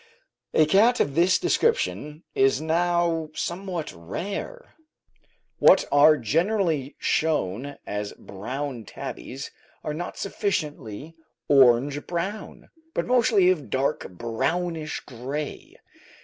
A cat of this description is now somewhat rare. What are generally shown as brown tabbies are not sufficiently orange brown, but mostly of a dark, brownish gray.